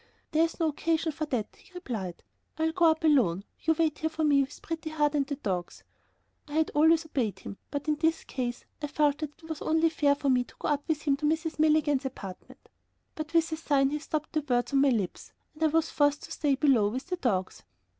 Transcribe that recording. "There's no occasion for that," he replied; "I'll go up alone; you wait here for me with Pretty Heart and the dogs." I had always obeyed him, but in this case I felt that it was only fair for me to go up with him to Mrs. Milligan's apartment. But with a sign he stopped the words on my lips, and I was forced to stay below with the dogs.